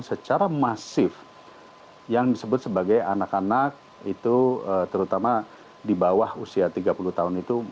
secara masif yang disebut sebagai anak anak itu terutama di bawah usia tiga puluh tahun itu